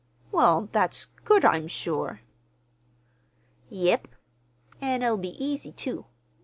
"Well, that's good, I'm sure." "Yep. An' it'll be easy, too.